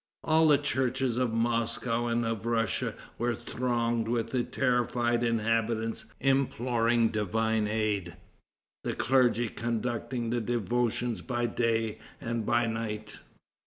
All the churches of Moscow and of Russia were thronged with the terrified inhabitants imploring divine aid, the clergy conducting the devotions by day and by night.